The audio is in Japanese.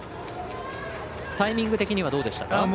タイミング的にはどうでしたか？